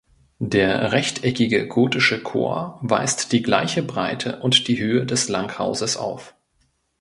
Der rechteckige gotische Chor weist die gleiche Breite und die Höhe des Langhauses auf.